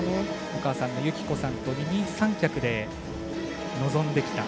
お母さんの友紀子さんと二人三脚で臨んできた。